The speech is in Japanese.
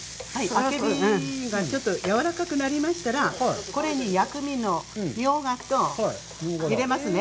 あけびがちょっとやわらかくなりましたら、これに薬味、入れますね。